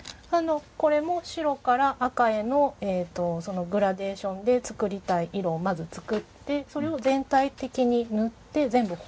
これも白から赤へのグラデーションで作りたい色をまず作ってそれを全体的に塗って全部彫ってます。